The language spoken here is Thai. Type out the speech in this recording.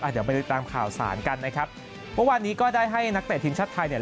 เดี๋ยวไปติดตามข่าวสารกันนะครับเมื่อวานนี้ก็ได้ให้นักเตะทีมชาติไทยเนี่ย